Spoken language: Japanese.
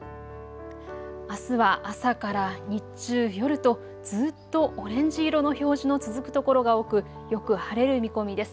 あすは朝から日中、夜とずっとオレンジ色の表示の続く所が多くよく晴れる見込みです。